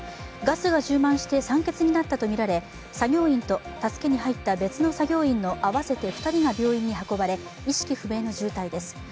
ガスが充満して酸欠になったとみられ、作業員と助けに入った別の作業員の２人が病院に運ばれ、意識不明の重体です